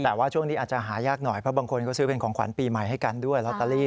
แต่ว่าช่วงนี้อาจจะหายากหน่อยเพราะบางคนก็ซื้อเป็นของขวัญปีใหม่ให้กันด้วยลอตเตอรี่